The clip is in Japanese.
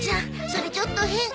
それちょっと変。